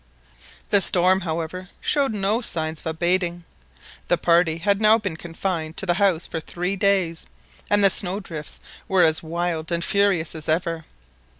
The storm, however, showed no signs of abating. The party had now been confined to the house for three days, and the snow drifts were as wild and furious as ever.